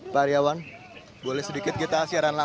pernyataan dari kapolda metro jaya